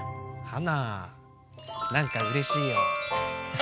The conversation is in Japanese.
ハナなんかうれしいよ。